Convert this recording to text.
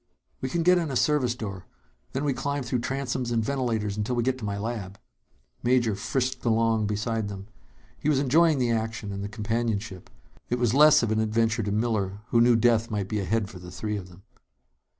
"We can get in a service door. Then we climb through transoms and ventilators until we get to my lab." Major frisked along beside them. He was enjoying the action and the companionship. It was less of an adventure to Miller, who knew death might be ahead for the three of them.